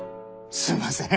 すいません。